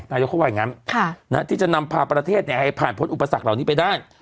นายกเขาว่าอย่างนั้นที่จะนำพาประเทศให้ผ่านพ้นอุปสรรคเหล่านี้ไปได้